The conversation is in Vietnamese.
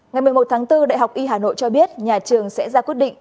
ngày một mươi một tháng bốn đại học y hà nội cho biết nhà trường sẽ ra quyết định